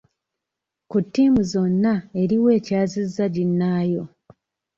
Ku ttiimu zonna eriwa ekyazizza ginnaayo.